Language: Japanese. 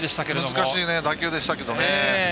難しい打球でしたけどね。